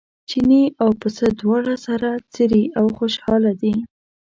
چیني او پسه دواړه سره څري او خوشاله دي.